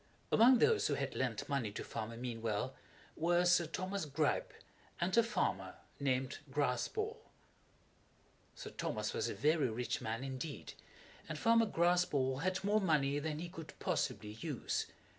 Among those who had lent money to Farmer Meanwell were Sir Thomas Gripe, and a Farmer named Graspall. Sir Thomas was a very rich man indeed, and Farmer Graspall had more money than he could possibly use.